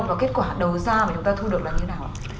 và kết quả đầu ra mà chúng ta thu được là như thế nào ạ